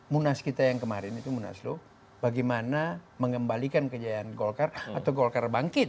munas kita yang kemarin itu munaslup bagaimana mengembalikan kejayaan golkar atau golkar bangkit